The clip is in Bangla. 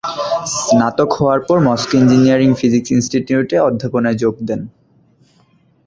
স্নাতক হওয়ার পর মস্কো ইঞ্জিনিয়ারিং ফিজিক্স ইনস্টিটিউটে অধ্যাপনায় যোগ দেন।